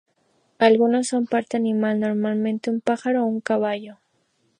Algunos son parte animal, normalmente un pájaro o un caballo.